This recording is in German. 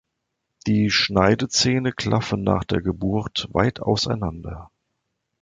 Die Schneidezähne klaffen nach der Geburt weit auseinander.